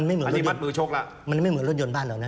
เอออันนี้บัดมือชกละมันไม่เหมือนรถยนต์บ้านหรอกนะ